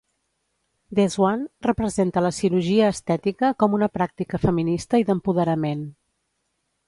"The Swan" representa la cirurgia estètica com una pràctica feminista i d'empoderament.